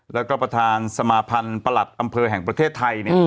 แล้วก็ประธานสมาพันธ์ประหลัดอำเภอแห่งประเทศไทย